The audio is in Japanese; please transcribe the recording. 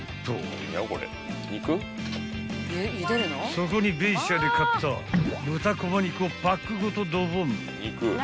［そこにベイシアで買った豚こま肉をパックごとドボン］